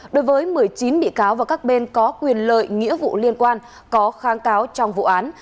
đối với một mươi chín bị cáo và các bên có quyền lợi nghĩa vụ liên quan có kháng cáo trong vụ án